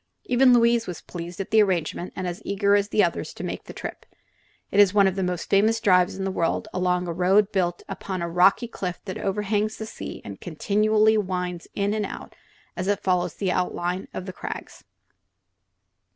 Even Louise was pleased at the arrangement and as eager as the others to make the trip. It is one of the most famous drives in the world, along a road built upon the rocky cliff that overhangs the sea and continually winds in and out as it follows the outlines of the crags.